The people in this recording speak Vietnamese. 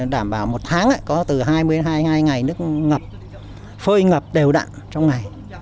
đảm bảo một tháng có từ hai mươi hai ngày nước ngập phơi ngập đều đặn trong ngày